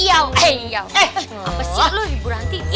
apa sih lo ibu ranti